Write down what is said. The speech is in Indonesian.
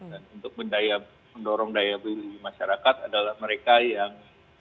dan untuk mendorong daya beli masyarakat adalah mereka yang